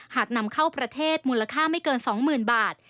หากนำเข้าประเทศมูลค่าไม่เกิน๒หมื่นบาท